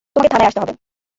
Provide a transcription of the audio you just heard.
তোমাকে থানায় আসতে হবে।